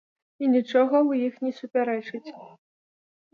І нічога ў іх не супярэчыць.